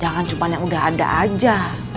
jangan cuma yang udah ada aja